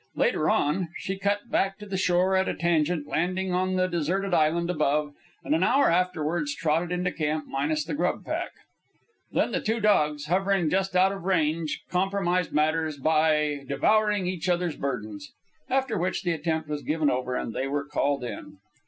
Later on, she cut back to the shore at a tangent, landing on the deserted island above; and an hour afterwards trotted into camp minus the grub pack. Then the two dogs, hovering just out of range, compromised matters by devouring each other's burdens; after which the attempt was given over and they were called in.